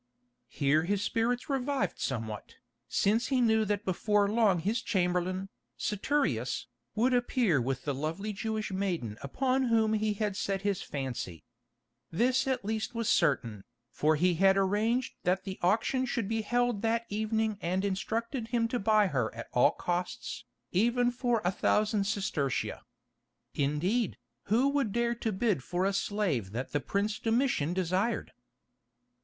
Here his spirits revived somewhat, since he knew that before long his chamberlain, Saturius, would appear with the lovely Jewish maiden upon whom he had set his fancy. This at least was certain, for he had arranged that the auction should be held that evening and instructed him to buy her at all costs, even for a thousand sestertia. Indeed, who would dare to bid for a slave that the Prince Domitian desired?